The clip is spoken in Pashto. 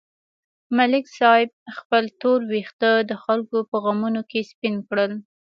ملک صاحب خپل تور وېښته د خلکو په غمونو کې سپین کړل.